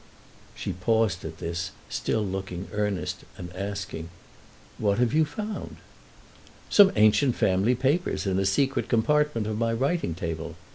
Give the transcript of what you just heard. She paused at this, still looking earnest and asking: "What have you found?" "Some ancient family papers, in a secret compartment of my writing table."